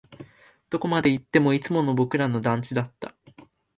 どこまで行っても、いつもの僕らの団地だった